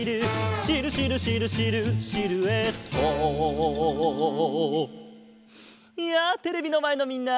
「シルシルシルシルシルエット」やあテレビのまえのみんな！